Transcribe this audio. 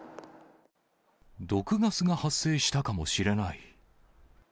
毒ガスが発生したかもしれない。